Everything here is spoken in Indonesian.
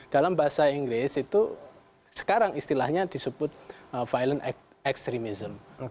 dalam bahasa inggris itu sekarang istilahnya disebut violent extremism